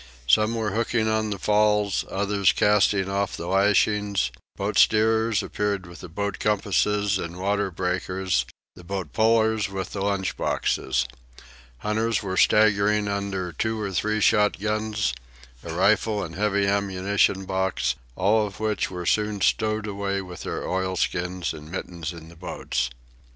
Some were hooking on the falls, others casting off the lashings; boat steerers appeared with boat compasses and water breakers, and boat pullers with the lunch boxes. Hunters were staggering under two or three shotguns, a rifle and heavy ammunition box, all of which were soon stowed away with their oilskins and mittens in the boats.